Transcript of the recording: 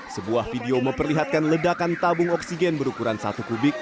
sebuah video memperlihatkan ledakan tabung oksigen berukuran satu kubik